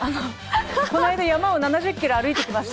この間、山を７０キロ歩いて来ました。